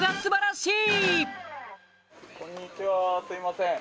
すいません。